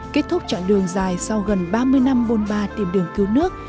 kết thúc chặng đường dài sau gần ba mươi năm bôn ba tìm đường cứu nước